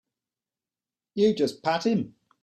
You just pat him.